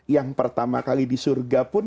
yang pertama kali di surga pun